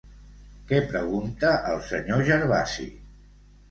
Què pregunta el senyor Gervasi?